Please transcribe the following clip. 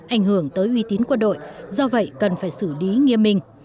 ảnh hưởng tới uy tín quân đội do vậy cần phải xử lý nghiêm minh